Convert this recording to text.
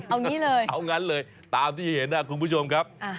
เอางี้เลยเอางั้นเลยตามที่เห็นนะครับคุณผู้ชมครับ